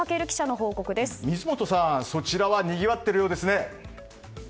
水本さん、そちらはにぎわっているようですね。